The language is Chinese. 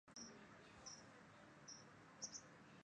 科隆比埃。